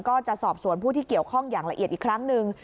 ก็จะสอบสวนผู้ที่เกี่ยวข้องอย่างละเอียดอีกครั้งหนึ่ง